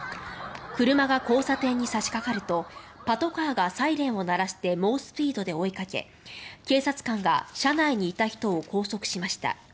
車が交差点に差しかかるとパトカーがサイレンを鳴らして猛スピードで追いかけ警察官が車内にいた人を拘束しました。